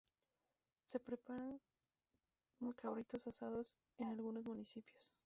Se preparan cabritos asados en algunos municipios.